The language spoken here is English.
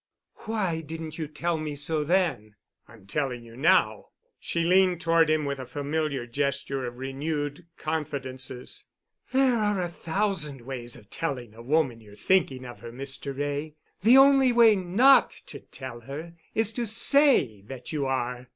"Why didn't you tell me so then?" "I'm telling you now." She leaned toward him with a familiar gesture of renewed confidences. "There are a thousand ways of telling a woman you're thinking of her, Mr. Wray. The only way not to tell her is to say that you are.